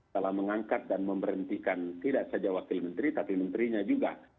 dalam mengangkat dan memberhentikan tidak saja wakil menteri tapi menterinya juga